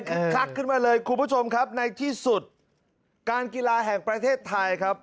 คักขึ้นมาเลยคุณผู้ชมครับในที่สุดการกีฬาแห่งประเทศไทยครับ